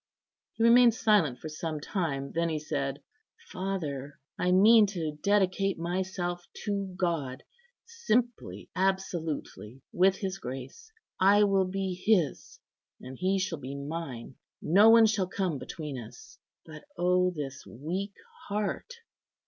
" He remained silent for some time; then he said, "Father, I mean to dedicate myself to God, simply, absolutely, with His grace. I will be His, and He shall be mine. No one shall come between us. But O this weak heart!"